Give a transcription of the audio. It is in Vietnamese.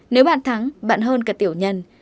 nếu bạn thắng bạn hơn cả tiểu nhân